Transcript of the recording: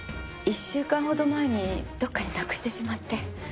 １週間ほど前にどこかでなくしてしまって。